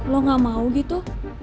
lo gak mau gitu